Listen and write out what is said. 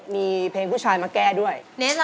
มีเพลงผู้ชายมาแก้ด้วย